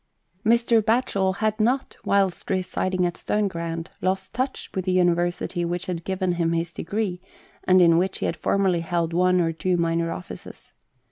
Mr. Batchel had not, whilst residing at Stoneground, lost touch with the University which had given him his degree, and in which he had formerly held one or two minor offices.